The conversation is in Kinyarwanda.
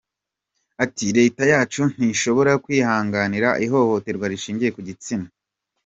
Ati “Leta yacu ntishobora kwihanganira ihohoterwa rishingiye ku gitsina.